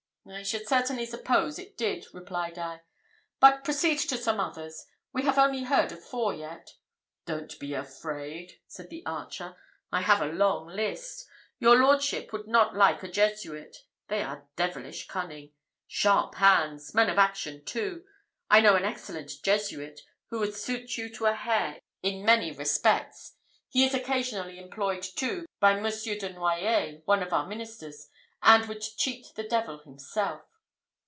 "I should certainly suppose it did," replied I; "but proceed to some others. We have only heard of four yet." "Don't be afraid!" said the archer, "I have a long list. Your lordship would not like a Jesuit they are devilish cunning sharp hands! men of action too! I know an excellent Jesuit, who would suit you to a hair in many respects. He is occasionally employed, too, by Monsieur de Noyers, one of our ministers, and would cheat the devil himself."